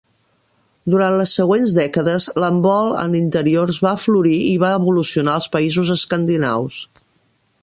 Durant les següent dècades, l'handbol en interiors va florir i va evolucionar als països escandinaus.